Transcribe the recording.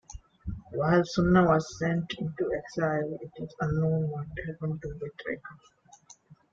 While Sunna was sent into exile, it is unknown what happened to Witteric.